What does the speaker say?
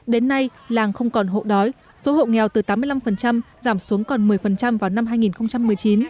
đến nay làng không còn hộ đói số hộ nghèo từ tám mươi năm giảm xuống còn một mươi vào năm hai nghìn một mươi chín